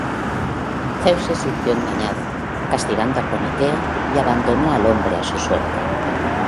Zeus se sintió engañado castigando a Prometeo, y abandonó al hombre a su suerte.